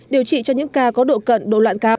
điều trị cho những ca có độ cận độ loạn cao